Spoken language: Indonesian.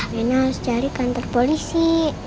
nenek harus cari kantor polisi